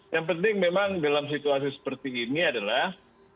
yang penting memang dalam situasi seperti ini adalah